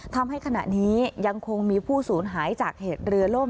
ทำให้ขณะนี้ยังคงมีผู้สูญหายจากเหตุเรือล่ม